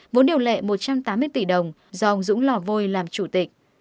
vốn điều lệ một trăm tám mươi tỷ đồng do ông dũng lò vôi làm chủ tịch